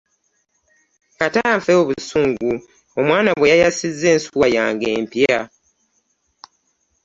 Kata nfe obusungu omwana bwe yayasizze ensuwa yange empya.